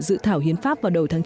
dự thảo hiến pháp